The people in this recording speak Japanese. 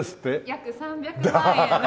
約３００万円の。